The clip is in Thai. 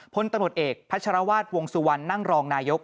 พลตำรวจเอกพัชรวาสวงสุวรรณนั่งรองนายก